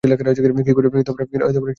কিরে, কি দারুণ দেখতে উনি!